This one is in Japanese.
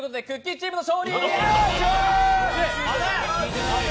チームの勝利！